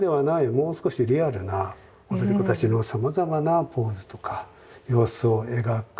もう少しリアルな踊り子たちのさまざまなポーズとか様子を描く画家ですよね。